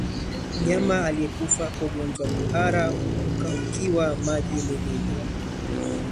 Mnyama aliyekufa kwa ugonjwa wa kuhara hukaukiwa maji mwilini